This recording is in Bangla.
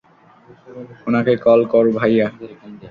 ওনাকে কল কর ভাইয়া।